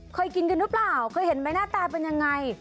เคยกินกันหรือเปล่าเคยเห็นไหมหน้าตาเป็นยังไง